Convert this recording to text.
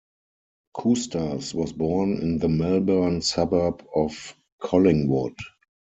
Coustas was born in the Melbourne suburb of Collingwood.